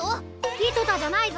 いとたじゃないぞ！